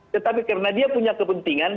tetapi karena dia punya kepentingan